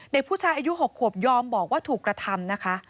เด็กผู้ชายอายุ๖ขวบยอมบอกว่าถูกกระทำนะคะ